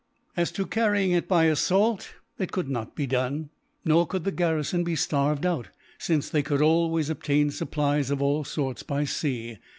"As to carrying it by assault, it could not be done; nor could the garrison be starved out, since they could always obtain supplies of all sorts by sea.